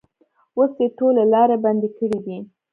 اوس یې ټولې لارې بندې کړې دي.